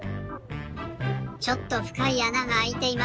ちょっとふかいあながあいています。